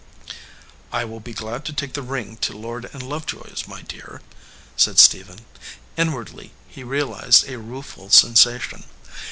"I will be glad to take the ring to Lord & Love joy s, my dear," said Stephen. Inwardly he real ized a rueful sensation.